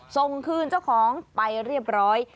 ส่งคืนเจ้าของไปเรียบร้อย